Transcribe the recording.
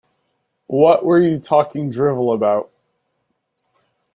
What were you talking drivel about?